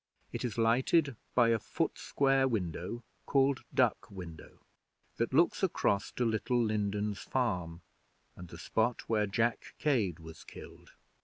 It is lighted by a foot square window, called Duck Window, that looks across to Little Lindens Farm, and the spot where Jack Cade was killed.